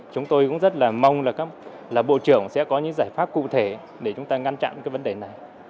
chúng tôi cũng rất là mong là các bộ trưởng sẽ có những giải pháp cụ thể để chúng ta ngăn chặn cái vấn đề này